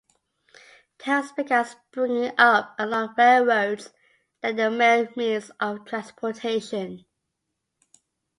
Towns began springing up along railroads, then the main means of transportation.